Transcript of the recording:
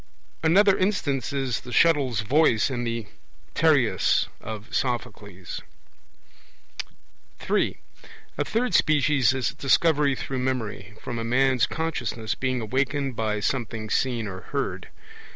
Another instance is the 'shuttle's voice' in the Tereus of Sophocles. (3) A third species is Discovery through memory, from a man's consciousness being awakened by something seen or heard.